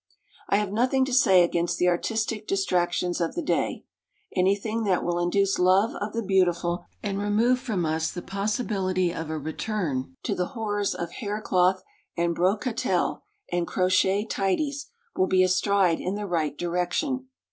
I have nothing to say against the artistic distractions of the day. Anything that will induce love of the beautiful, and remove from us the possibility of a return to the horrors of hair cloth and brocatel and crochet tidies, will be a stride in the right direction.